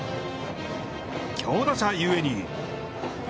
強打者ゆえに。